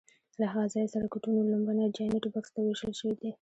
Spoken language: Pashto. له هغه ځایه سرکټونو لومړني جاینټ بکس ته وېشل شوي دي.